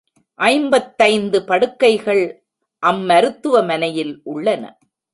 ஐம்பத்தைந்து படுக்கைகள் அம்மருத்துவ மனையில் உள்ளன.